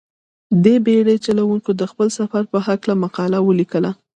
دې بېړۍ چلوونکي د خپل سفر په هلکه مقاله ولیکله.